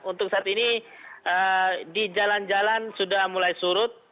untuk saat ini di jalan jalan sudah mulai surut